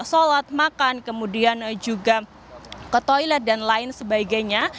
sholat makan kemudian juga ke toilet dan lain sebagainya